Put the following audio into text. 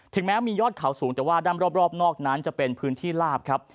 แม้มียอดเขาสูงแต่ว่าด้านรอบนอกนั้นจะเป็นพื้นที่ลาบครับ